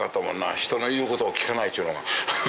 人の言うことを聞かないっちゅうのが。